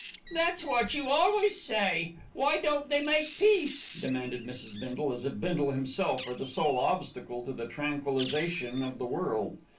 "That's what you always say. Why don't they make peace?" demanded Mrs. Bindle, as if Bindle himself were the sole obstacle to the tranquillisation of the world.